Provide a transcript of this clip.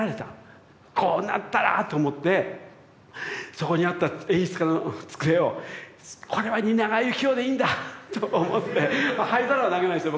こうなったらと思ってそこにあった演出家の机を「俺は蜷川幸雄でいいんだ！」と思って灰皿は投げないですよ。